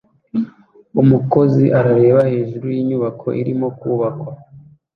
Umukozi arareba hejuru yinyubako irimo kubakwa